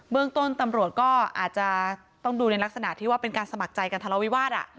เมืองต้นตำรวจก็อาจจะต้องดูในลักษณะที่ว่าเป็นการสมัครใจกันทะเลาวิวาส